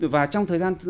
và trong thời gian